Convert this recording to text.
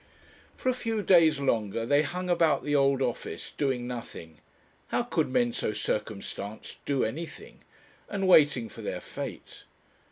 For a few days longer they hung about the old office, doing nothing how could men so circumstanced do anything? and waiting for their fate.